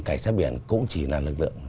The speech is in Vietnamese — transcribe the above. cảnh sát biển cũng chỉ là lực lượng